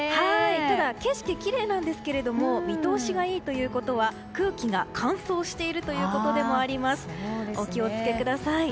ただ、景色きれいなんですが見通しがいいということは空気が乾燥しているということでもありますのでお気を付けください。